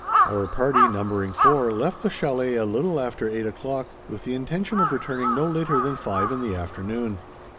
Our party, numbering four, left the chalet at a little after eight o'clock, with the intention of returning no later than five in the afternoon.